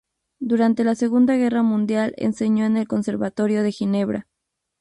Durante la Segunda Guerra Mundial enseñó en el conservatorio de Ginebra.